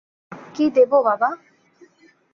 কী দেব বাবা?